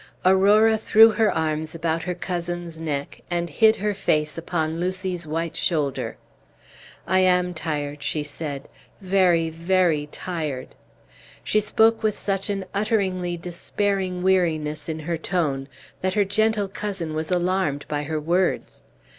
Aurora threw her arms about her cousin's neck, and hid her face upon Lucy's white shoulder. "I am tired," she said, "very, very tired." She spoke with such an utterly despairing weariness in her tone, that her gentle cousin was alarmed by her words.